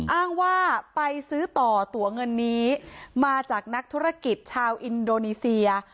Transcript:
อ้างว่าไปซื้อต่อตัวเงินนี้มาจากนักธุรกิจชาวอินโดนีเซีย